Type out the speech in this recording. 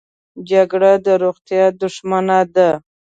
جګړه د روغتیا دښمنه ده